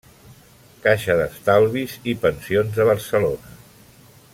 Caixa d’Estalvis i Pensions de Barcelona.